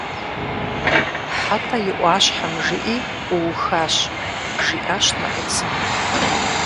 «Хьэтӏэ и ӏуащхьэм жыӏи, уухащ», – жиӏащ Нэӏуцым.